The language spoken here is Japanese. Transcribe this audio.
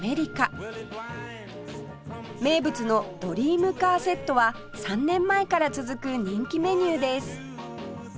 名物のドリームカーセットは３年前から続く人気メニューです